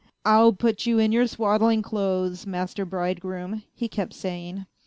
" I'll put you in your swaddling clothes, Master Bridegroom," he kept saying.